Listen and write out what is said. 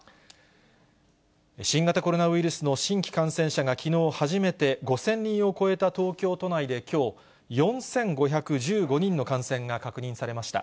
新型コロナウイルスの新規感染者がきのう、初めて５０００人を超えた東京都内できょう、４５１５人の感染が確認されました。